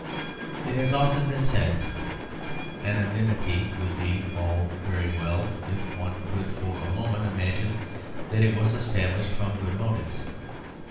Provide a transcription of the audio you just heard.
As has often been said, anonymity would be all very well if one could for a moment imagine that it was established from good motives.